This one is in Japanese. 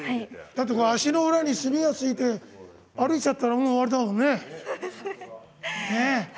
足の裏に墨がついて歩いちゃったらもう終わりだもんね。